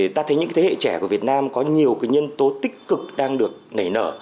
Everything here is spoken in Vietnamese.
ta thấy những thế hệ trẻ của việt nam có nhiều cái nhân tố tích cực đang được nảy nở